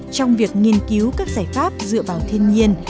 trong việc nghiên cứu các giải pháp dựa vào thiên nhiên